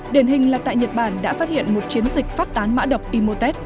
đền hình là tại nhật bản đã phát hiện một chiến dịch phát tán mã đọc imhotep